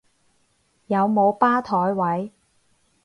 有冇吧枱位？